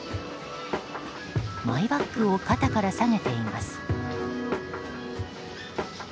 マイバッグを肩から提げています。